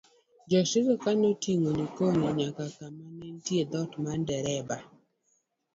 jokristo ka notingo Likono nyaka ka ma ne nitie dhot mar dereba